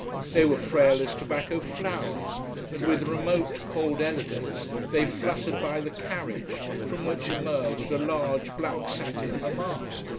They were frail as tobacco flowers, and with remote, cold elegance they fluttered by the carriage, from which emerged a large black satin Mama.